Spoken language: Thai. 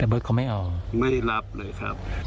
เผื่อสำคัญให้อะไรด้วยครับ